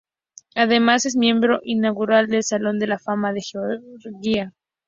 Además es miembro inaugural del Salón de la Fama de Georgia.